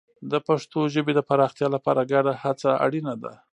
د پښتو ژبې د پراختیا لپاره ګډه هڅه اړینه ده.